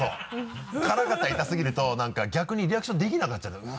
辛かったり痛すぎると逆にリアクションできなくなっちゃうから。